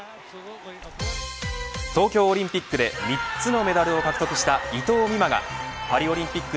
東京オリンピックで３つのメダルを獲得した伊藤美誠がパリオリンピック